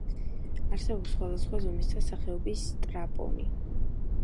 არსებობს სხვადასხვა ზომის და სახეობის სტრაპონი.